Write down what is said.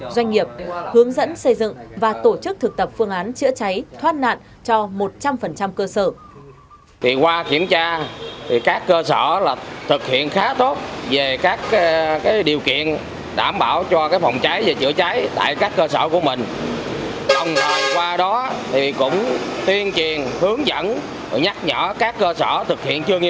doanh nghiệp hướng dẫn xây dựng và tổ chức thực tập phương án chữa cháy thoát nạn